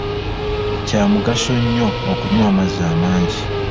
Kya mugaso nnyo okunywa amazzi amangi.